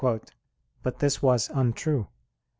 But this was untrue.